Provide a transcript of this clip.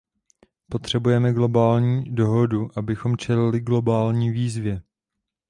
Potřebujeme globální dohodu, abychom čelili globální výzvě.